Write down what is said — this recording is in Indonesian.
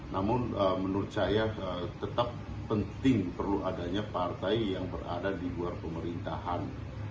namun menurut saya tetap penting perlu adanya partai yang berada di luar pemerintahan